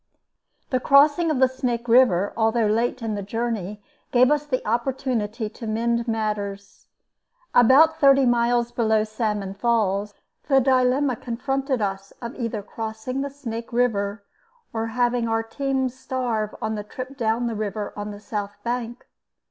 The crossing of the Snake River, although late in the journey, gave us the opportunity to mend matters. About thirty miles below Salmon Falls the dilemma confronted us of either crossing the Snake River or having our teams starve on the trip down the river on the south bank.